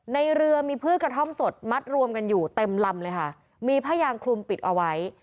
ในเรือมีพืชกระท่อมสดมัดรวมกันอยู่เต็มลำเลยค่ะมีผ้ายางคลุมปิดเอาไว้